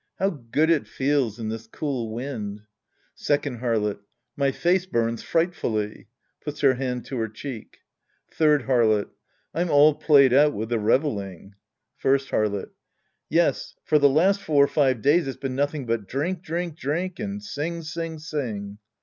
How good it feels in this cool wind ! Secpnd Harlot. My face burns frightfully. {Puts her hand to her cheek.) Third Harlot. I'm all played out with the reveling. First Harlot. Yes, for the last four or five days it's been nothing but drink, drink, drink, and sing> sing, sing.